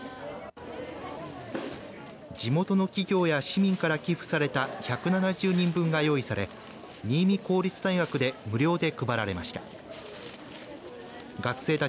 地元の企業や市民から寄付された１７０人分が用意され新見公立大学で無料で配られました。